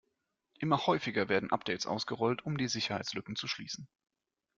Immer häufiger werden Updates ausgerollt, um die Sicherheitslücken zu schließen.